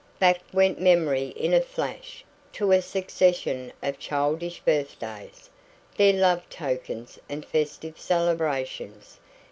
Back went memory in a flash to a succession of childish birthdays, their love tokens and festive celebrations.